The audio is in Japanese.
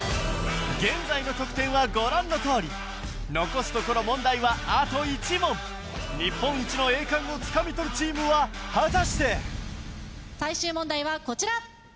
現在の得点はご覧のとおり残すところ問題はあと１問日本一の栄冠をつかみ取るチームは果たして最終問題はこちら。